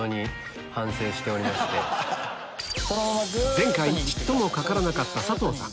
前回ちっともかからなかった佐藤さん